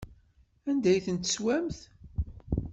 Anda ay ten-teswamt?